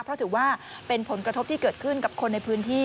เพราะถือว่าเป็นผลกระทบที่เกิดขึ้นกับคนในพื้นที่